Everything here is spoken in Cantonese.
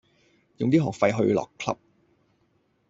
用啲學費去落 Club